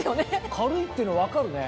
軽いっていうの分かるね。